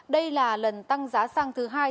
đây là lần tăng giá xăng thứ hai